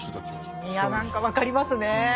いや何か分かりますね。